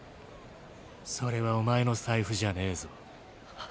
それはお前の財布じゃねぇぞ。